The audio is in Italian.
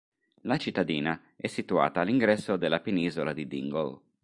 La cittadina è situata all'ingresso della Penisola di Dingle.